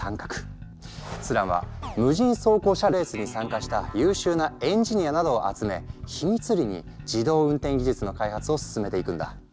スランは無人走行車レースに参加した優秀なエンジニアなどを集め秘密裏に自動運転技術の開発を進めていくんだ。